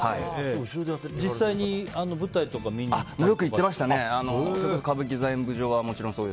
実際に舞台とか見に行ったりは？